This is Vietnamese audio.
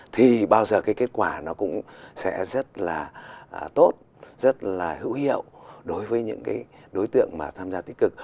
thì bao giờ cái kết quả nó cũng sẽ rất là tốt rất là hữu hiệu đối với những cái đối tượng mà tham gia tích cực